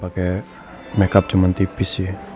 pake makeup cuman tipis sih